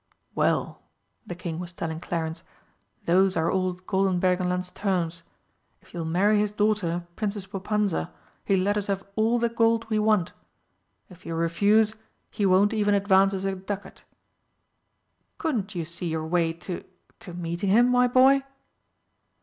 "Well," the King was telling Clarence, "those are old Goldenbergenland's terms. If you'll marry his daughter, Princess Popanza, he'll let us have all the gold we want; if you refuse, he won't even advance us a ducat. Couldn't you see your way to to meeting him, my boy?"